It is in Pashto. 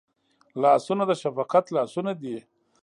لاسونه د شفقت لاسونه دي